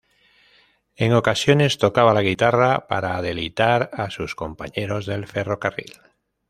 En ocasiones, tocaba la guitarra para deleitar a sus compañeros del ferrocarril.